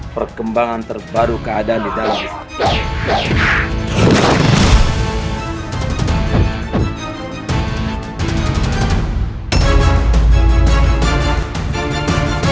perkembangan terbaru keadaan di dalam islam